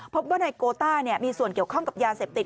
เพราะในกโต้นั้นมีส่วนเกี่ยวของกับยาเสพติด